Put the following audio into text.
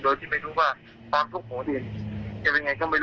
โดยที่ไม่รู้ว่าความทุกข์โผล่เนี่ยจะเป็นยังไงก็ไม่รู้